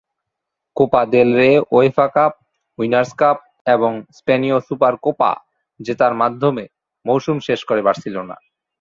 Copa del Rey, UEFA Cup Winners Cup এবং স্পেনীয় Super Copa জেতার মাধ্যমে মৌসুম শেষ করে বার্সেলোনা।